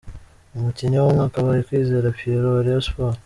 Umukinnyi w’umwaka abaye Kwizera Pierrot wa Rayon Sports.